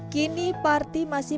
kini parti masih